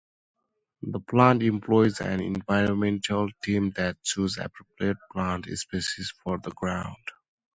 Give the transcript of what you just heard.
The plant employs an environmental team that chooses appropriate plant species for the grounds.